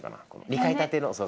２階建ての。